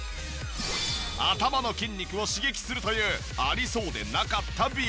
頭の筋肉を刺激するというありそうでなかった美容アイテム！